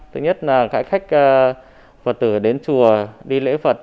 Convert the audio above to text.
thứ nhất là cãi khách phật tử đến chùa đi lễ phật